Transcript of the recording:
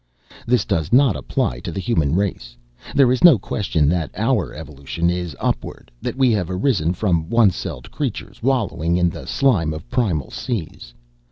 "This does not apply to the human race. There is no question that our evolution is upward, that we have arisen from one celled creatures wallowing in the slime of primal seas.